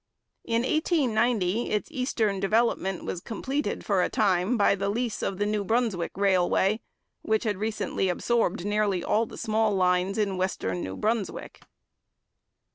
In 1890 its eastern development was completed for a time by the lease of the New Brunswick Railway, which had recently absorbed nearly all the small lines in western New Brunswick.